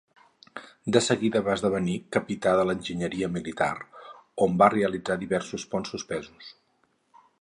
De seguida va esdevenir capità de l'enginyeria militar, on va realitzar diversos ponts suspesos.